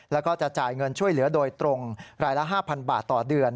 แล้วก็จะจ่ายเงินช่วยเหลือโดยตรงรายละ๕๐๐บาทต่อเดือน